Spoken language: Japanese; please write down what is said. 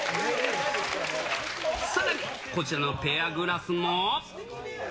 さらに、こちらのペアグラスも。